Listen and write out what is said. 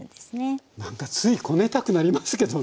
何かついこねたくなりますけどね。